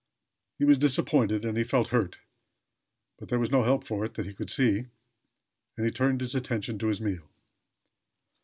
He was disappointed, and he felt hurt; but there was no help for it that he could see and he turned his attention to his meal.